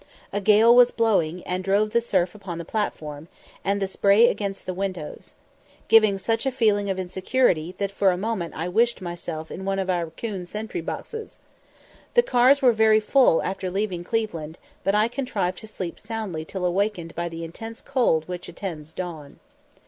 A gale was blowing, and drove the surf upon the platform, and the spray against the windows, giving such a feeling of insecurity, that for a moment I wished myself in one of our "'coon sentry boxes." The cars were very full after leaving Cleveland, but I contrived to sleep soundly till awakened by the intense cold which attends dawn.